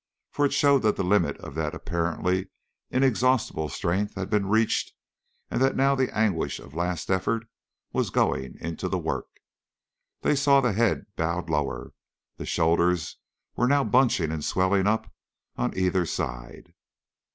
For it showed that the limit of that apparently inexhaustible strength had been reached and that now the anguish of last effort was going into the work. They saw the head bowed lower; the shoulders were now bunching and swelling up on either side.